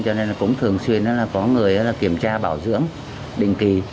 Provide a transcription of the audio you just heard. cho nên cũng thường xuyên có người kiểm tra bảo dưỡng định kỳ